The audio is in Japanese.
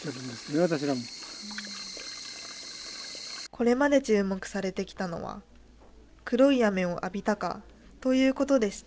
これまで注目されてきたのは黒い雨を浴びたかということでした。